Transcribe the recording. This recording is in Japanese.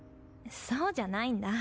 そうじゃないんだ。